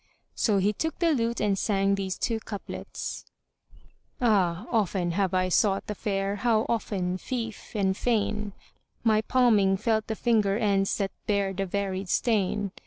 So he took the lute and sang these two couplets:— Ah, often have I sought the fair; how often lief and fain * My palming felt the finger ends that bear the varied stain!